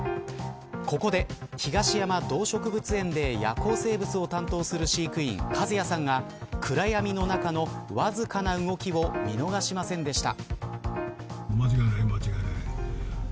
ここで、東山動植物園で夜行生物を担当する飼育員一也さんが暗闇の中の、わずかな動きを見逃しませんでした。